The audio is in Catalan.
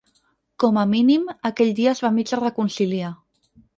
Com a mínim, aquell dia es van mig reconciliar.